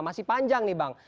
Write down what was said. masih panjang nih bang